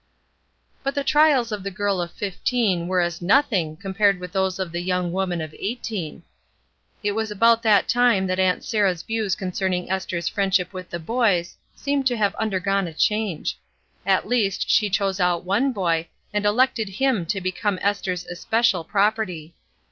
But the trials of the girl of fifteen were as nothing compared with those of the young woman of eighteen. It was about that time that Aunt Sarah's views concerning Esther's friendship with the boys seemed to have under gone a change. At least she chose out one boy and elected him to become Esther's especial property.